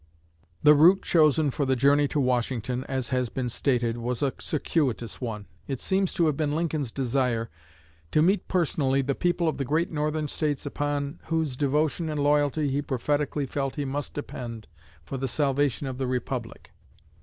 The route chosen for the journey to Washington, as has been stated, was a circuitous one. It seems to have been Lincoln's desire to meet personally the people of the great Northern States upon whose devotion and loyalty he prophetically felt he must depend for the salvation of the Republic.